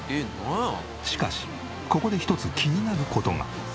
しかしここで１つ気になる事が。